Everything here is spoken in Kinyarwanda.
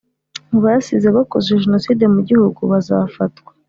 abasize bakoze jenoside mu gihugu bazafatwa